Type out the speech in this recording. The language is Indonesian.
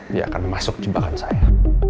dia akan masuk jebakan saya